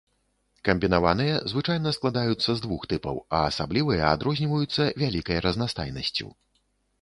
Камбінаваныя звычайна складаюцца з двух тыпаў, а асаблівыя адрозніваюцца вялікай разнастайнасцю.